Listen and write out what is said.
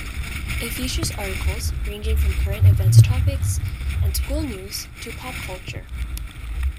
It features articles ranging from current events topics and school news to pop culture.